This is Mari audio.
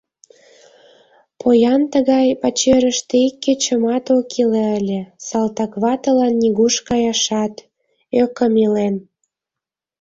Поян тыгай пачерыште ик кечымат ок иле ыле, салтакватылан нигуш каяшат, ӧкым илен.